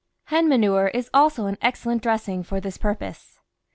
Hen manure is also an excellent dressing for this pur pose.